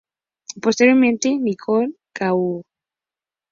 Posteriormente Nicolae Ceaușescu.